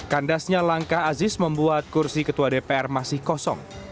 kandasnya langkah aziz membuat kursi ketua dpr masih kosong